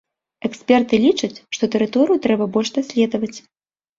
Эксперты лічаць, што тэрыторыю трэба больш даследаваць.